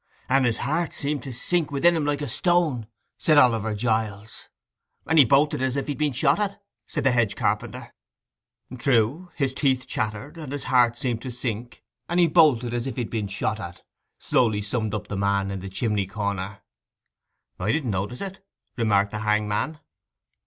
'And his heart seemed to sink within him like a stone,' said Oliver Giles. 'And he bolted as if he'd been shot at,' said the hedge carpenter. 'True—his teeth chattered, and his heart seemed to sink; and he bolted as if he'd been shot at,' slowly summed up the man in the chimney corner. 'I didn't notice it,' remarked the hangman.